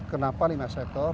kenapa lima sektor